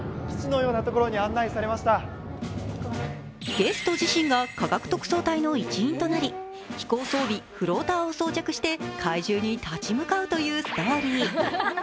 ゲスト自身が科学特捜隊の一員となり、飛行装備・フローターを装着して怪獣に立ち向かうというストーリー。